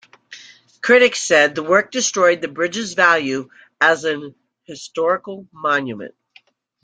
Critics said the work destroyed the bridge's value as an historical monument.